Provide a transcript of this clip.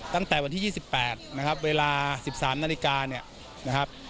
ตั้งแต่วันที่๒๘นะครับเวลา๑๓นาฬิกา